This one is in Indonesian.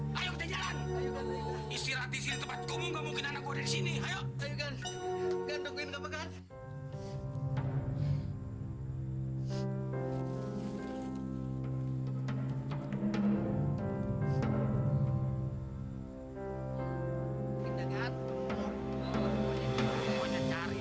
mau tidur di rumah dong